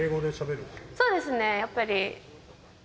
そうですねやっぱり。